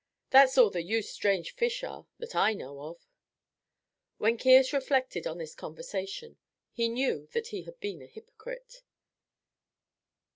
That's all the use strange fish are that I know of." When Caius reflected on this conversation, he knew that he had been a hypocrite.